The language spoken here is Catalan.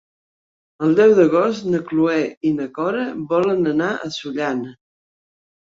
El deu d'agost na Cloè i na Cora volen anar a Sollana.